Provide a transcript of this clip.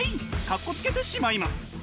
カッコつけてしまいます。